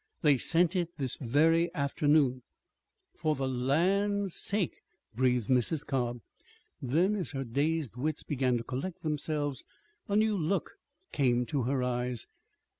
"They sent it this very afternoon." "For the land's sake!" breathed Mrs. Cobb. Then, as her dazed wits began to collect themselves, a new look came to her eyes.